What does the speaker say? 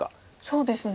そうですね。